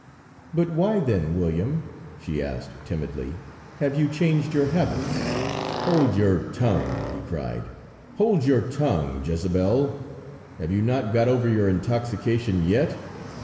"But why, then, William," she asked, timidly, "have you changed your habits?" "Hold your tongue!" he cried "hold your tongue, Jezabel! Have you not got over your intoxication yet?